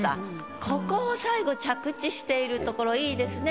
ここを最後着地しているところ良いですね。